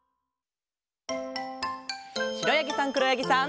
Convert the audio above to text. しろやぎさんくろやぎさん。